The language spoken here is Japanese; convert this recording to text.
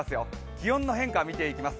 気温の変化を見ていきます。